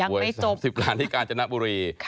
หวย๓๐ล้านที่กาจนบุรี